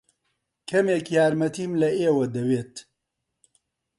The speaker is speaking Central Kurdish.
کەمێک یارمەتیم لە ئێوە دەوێت.